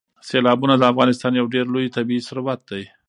سیلابونه د افغانستان یو ډېر لوی طبعي ثروت دی.